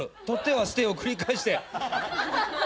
取っては捨てを繰り返して。